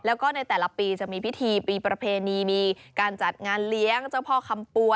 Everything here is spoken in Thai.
แล้วก็ในแต่ละปีจะมีพิธีปีประเพณีมีการจัดงานเลี้ยงเจ้าพ่อคำปัว